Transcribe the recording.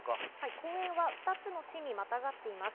公園は２つの市にまたがっています。